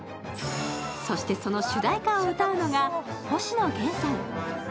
そしてその主題歌を歌うのが星野源さん。